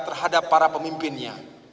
terhadap para pemimpinnya